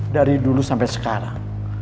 dari dulu sampai sekarang